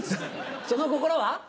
その心は？